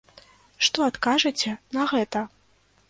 Што адкажаце на гэта?